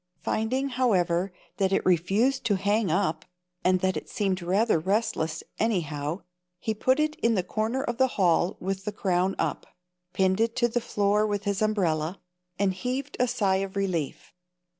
Finding, however, that it refused to hang up, and that it seemed rather restless, anyhow, he put it in the corner of the hall with the crown up, pinned it to the floor with his umbrella, and heaved a sigh of relief.